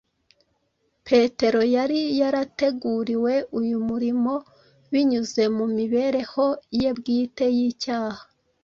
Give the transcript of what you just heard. petero yari yarateguriwe uyu murimo binyuze mu mibereho ye bwite y’icyaha,